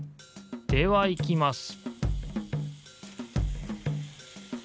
では行きます